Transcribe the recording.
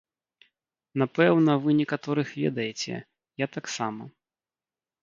Напэўна, вы некаторых ведаеце, я таксама.